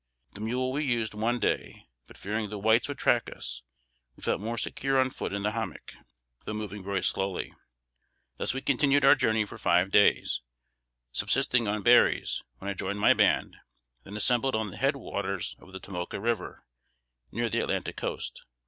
The mule we used one day; but fearing the whites would track us, we felt more secure on foot in the hommock, though moving very slowly. Thus we continued our journey for five days, subsisting on berries, when I joined my band, then assembled on the head waters of the Tomoka River, near the Atlantic coast.